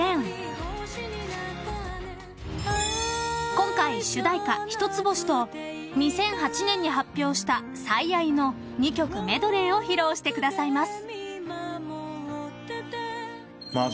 ［今回主題歌『ヒトツボシ』と２００８年に発表した『最愛』の２曲メドレーを披露してくださいます］